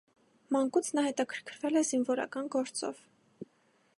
Մանուկց նա հետաքրքրվել է զինվորական գործով։